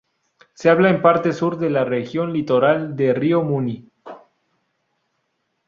Se habla en parte sur de la región litoral de Río Muni.